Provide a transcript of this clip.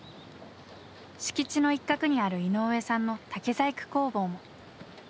敷地の一角にある井上さんの竹細工工房も。